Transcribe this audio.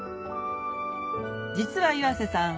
実は岩瀬さん